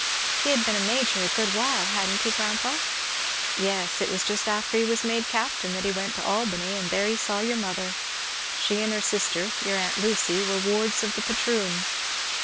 "He had been a major a good while, hadn't he, grandpa?" "Yes. It was just after he was made captain that he went to Albany, and there he saw your mother. She and her sister, your aunt Lucy, were wards of the patroon.